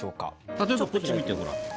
例えば、こっち見て、ほら。